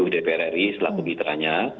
dpr ri selaku mitranya